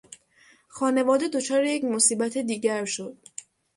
خانواده دچار یک مصیبت دیگر شد.